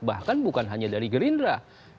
bahkan bukan hanya dari gerindra